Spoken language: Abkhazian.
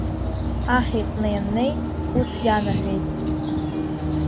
Аҳ иҟны ианнеи, ус ианаҳәеит…